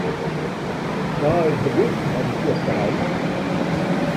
Wa is begûn mei dy fjochterij?